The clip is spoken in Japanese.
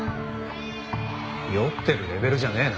酔ってるレベルじゃねえな。